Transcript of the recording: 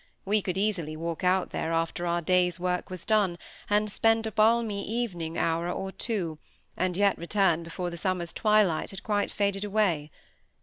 We could easily walk out there after our day's work was done, and spend a balmy evening hour or two, and yet return before the summer's twilight had quite faded away.